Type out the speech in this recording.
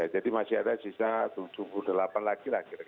jadi masih ada sisa tujuh puluh delapan lagi lah